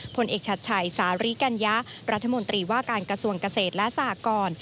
ผลเอกชัดชัยสาริกัญญะรัฐมนตรีว่าการกระทรวงเกษตรและสหกร